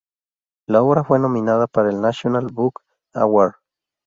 La obra fue nominada para el National Book Award.